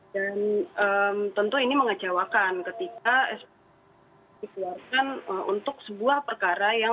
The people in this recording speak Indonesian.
dan tentu ini mengecewakan ketika sp tiga dikeluarkan untuk sebuah perkara yang